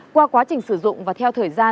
qua quá trình sử dụng và theo thời gian